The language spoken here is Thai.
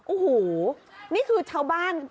โอ้โหนี่คือชาวบ้าน